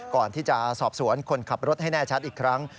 ก่อนที่จะสอบสวนคนขับรถให้แน่ชัดอีกครั้ง